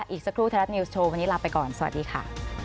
อีกสักครู่ไทยรัฐนิวส์โชว์วันนี้ลาไปก่อนสวัสดีค่ะ